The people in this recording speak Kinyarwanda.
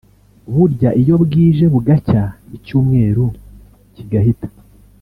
burya iyo bwije bugacya icyumweru kigahita